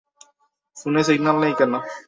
ফোনে সিগন্যাল নেই কেন?